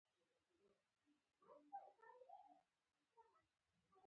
ځکه چې د هغوی غوښتنې زموږ له ګټو سره سر نه خوري.